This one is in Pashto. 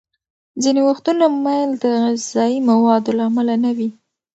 ځینې وختونه میل د غذايي موادو له امله نه وي.